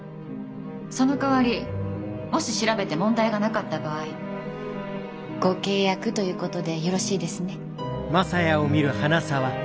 そのかわりもし調べて問題がなかった場合ご契約ということでよろしいですね。